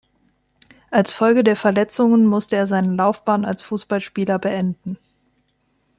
Als Folge der Verletzungen musste er seine Laufbahn als Fußballspieler beenden.